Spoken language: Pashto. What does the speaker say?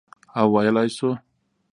او ویلای شو،